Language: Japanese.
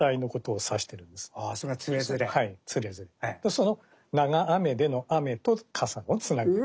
その長雨での雨と傘のつながりが。